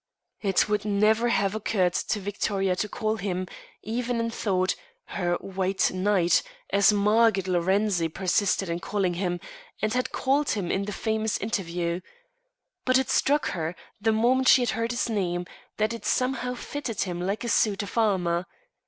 It would never have occurred to Victoria Ray to call him, even in thought, her "White Knight," as Margot Lorenzi persisted in calling him, and had called him in the famous interview. But it struck her, the moment she heard his name, that it somehow fitted him like a suit of armour.